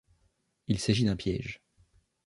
Il s'agit d'un piège.